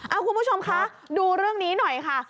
เอาคุณผู้ชมคะดูเรื่องนี้หน่อยค่ะ